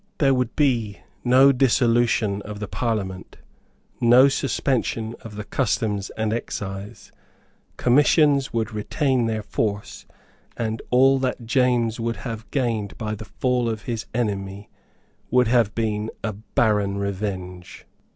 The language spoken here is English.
There would be no dissolution of the Parliament, no suspension of the customs and excise; commissions would retain their force; and all that James would have gained by the fall of his enemy would have been a barren revenge.